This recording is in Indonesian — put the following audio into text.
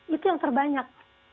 itu yang terbanyak